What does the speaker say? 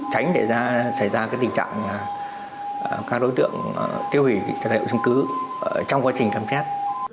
tránh để xảy ra tình trạng các đối tượng tiêu hủy tài liệu chứng cứ trong quá trình khám xét